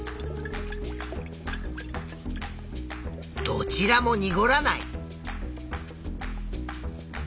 どちらもにごらない。